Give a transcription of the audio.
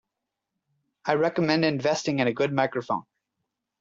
I recommend investing in a good microphone.